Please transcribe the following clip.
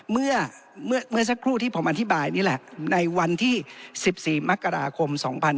เมื่อสักครู่ที่ผมอธิบายนี่แหละในวันที่๑๔มกราคม๒๕๖๒